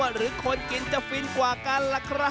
เมื่อเจอกับการแข่งกินส้มตำถาดที่จังหวัดราชบุรีแบบนี้